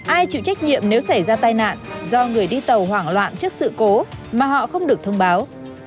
ai chịu trách nhiệm nếu xảy ra tai nạn do người đi tàu hoảng loạn trước sự cố mà họ không được thông báo